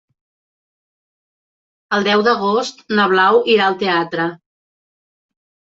El deu d'agost na Blau irà al teatre.